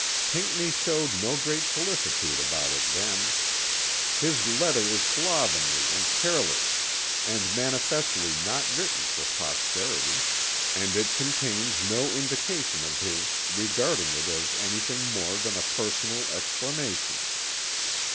Pinckney showed no great solicitude about it then. His letter is slovenly and careless and manifestly not written for posterity, and it contains no indication of his regarding it as any thing more than a personal explanation.